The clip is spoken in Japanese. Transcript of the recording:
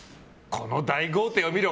この大豪邸を見ろ